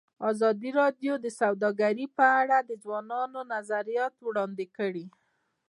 ازادي راډیو د سوداګري په اړه د ځوانانو نظریات وړاندې کړي.